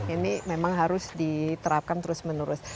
ini memang harus diterapkan terus menerus